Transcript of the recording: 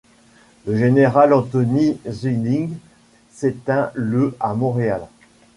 Le général Antoni Szylling s'éteint le à Montréal.